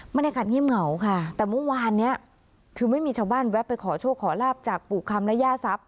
บรรยากาศเงียบเหงาค่ะแต่เมื่อวานเนี้ยคือไม่มีชาวบ้านแวะไปขอโชคขอลาบจากปู่คำและย่าทรัพย